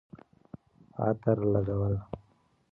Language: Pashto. عطر لګول